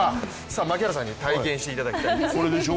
槙原さんに体験していただきたいんです。